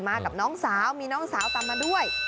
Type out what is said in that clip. กับน้องสาวมีน้องสาวตามมาด้วย